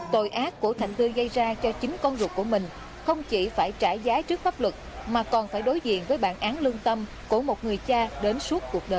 tội ác của thành tư gây ra cho chính con ruột của mình không chỉ phải trả giá trước pháp luật mà còn phải đối diện với bản án lương tâm của một người cha đến suốt cuộc đời